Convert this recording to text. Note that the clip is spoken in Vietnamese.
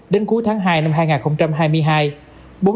đến cuối tháng hai năm hai nghìn hai mươi hai